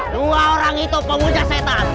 dua orang itu pemuja setan